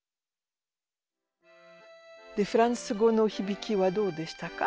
フランス語のひびきはどうでしたか？